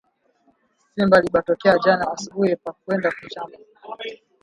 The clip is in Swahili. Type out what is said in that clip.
Simba alibatokea jana asubui pa kwenda kumashamba